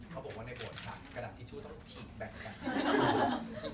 เขาบอกว่าในโบสถักกระดาษทิชชู่ต้องฉีกแบ่งกัน